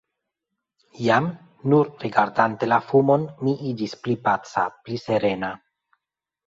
Jam, nur rigardante la fumon, mi iĝis pli paca, pli serena.